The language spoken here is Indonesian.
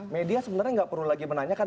media sebenarnya nggak perlu lagi menanyakan